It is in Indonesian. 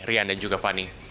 rian dan juga fani